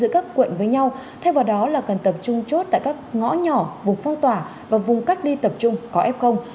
các quận với nhau theo vào đó là cần tập trung chốt tại các ngõ nhỏ vùng phong tỏa và vùng cách đi tập trung có ép không